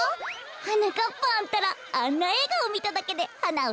はなかっぱんたらあんなえいがをみただけではなをさかせるのね。